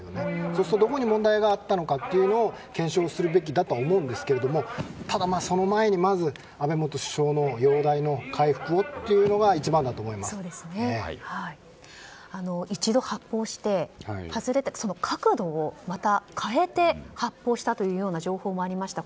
そうするとどこに問題があったのかを検証するべきだとは思うんですがただ、その前にまず安倍元首相の容体の回復をというのが一度、発砲して外れて、角度をまた変えて発砲したというような情報もありました。